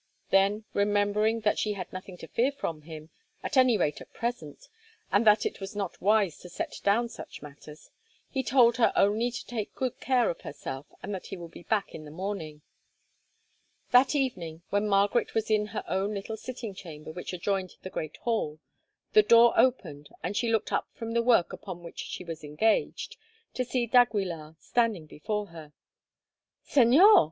Then, remembering that she had nothing to fear from him, at any rate at present, and that it was not wise to set down such matters, he told her only to take good care of herself, and that he would be back in the morning. That evening, when Margaret was in her own little sitting chamber which adjoined the great hall, the door opened, and she looked up from the work upon which she was engaged, to see d'Aguilar standing before her. "Señor!"